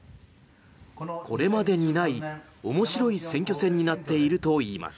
これまでにない面白い選挙戦になっているといいます。